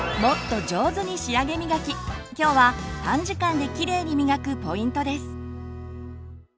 今日は短時間できれいにみがくポイントです。